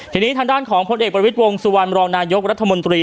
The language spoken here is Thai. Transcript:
ทีนี้ทางด้านของพลเอกประวิทย์วงสุวรรณรองนายกรัฐมนตรี